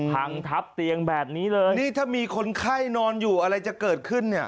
พังทับเตียงแบบนี้เลยนี่ถ้ามีคนไข้นอนอยู่อะไรจะเกิดขึ้นเนี่ย